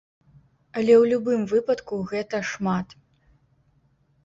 Але ў любым выпадку гэта шмат.